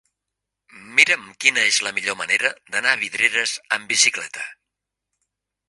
Mira'm quina és la millor manera d'anar a Vidreres amb bicicleta.